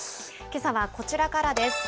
けさはこちらからです。